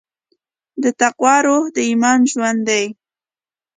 د تقوی روح د ایمان ژوند دی.